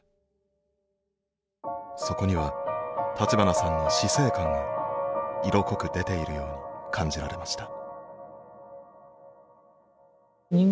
そこには立花さんの死生観が色濃く出ているように感じられました。